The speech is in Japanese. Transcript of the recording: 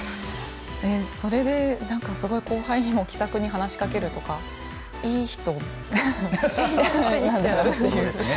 それで、すごい後輩にも気さくに話しかけるとかいい人なんだなって思いました。